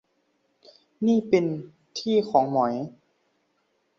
นี่เป็นที่ของหมอย